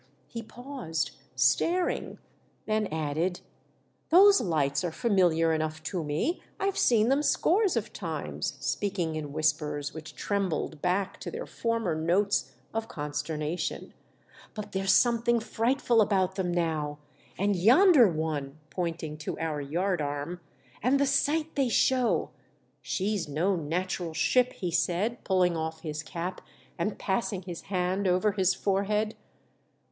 He paused, staring, then added, "Those hghts are famihar enough to me, I've seen them scores of times," speaking in whispers, which trembled back to their former notes of consternation, " but there's somethinsf frig htful about them now" — and yonder one," pointing to our yard arm, "and the sight they show. She's no natural ship," he said, pulling off his cap, and passing his hand over his forehead.